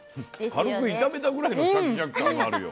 軽く炒めたぐらいのシャキシャキ感があるよ。